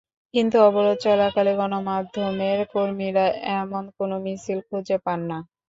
কিন্তু অবরোধ চলাকালে গণমাধ্যমের কর্মীরা এমন কোনো মিছিল খুঁজে পান না।